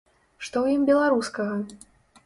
Што ў ім беларускага?